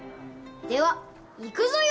では行くぞよ！